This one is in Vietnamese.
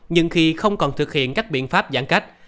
nhưng khi không còn thực hiện các biện pháp giãn cách